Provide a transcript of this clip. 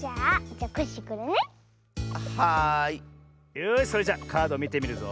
よしそれじゃカードみてみるぞ。